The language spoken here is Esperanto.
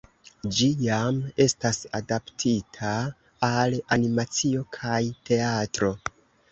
Ĝi jam estas adaptita al animacio kaj teatro.